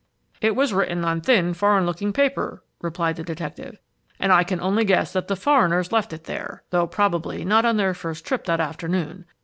"It was written on thin, foreign looking paper," replied the detective, "and I can only guess that the foreigners left it there, though probably not on their first trip that afternoon.